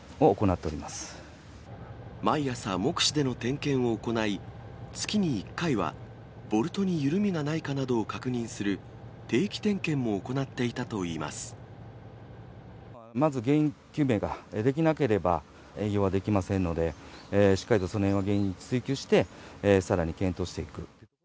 毎朝、目視での点検を行い、月に１回はボルトに緩みがないかなどを確認する定期点検も行ってまず原因究明ができなければ、営業はできませんので、しっかりとそのへん、原因を追及して、さらに検討していく。